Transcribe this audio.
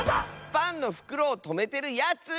パンのふくろをとめてるやつ！